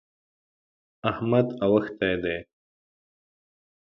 احمد اوښتی دی.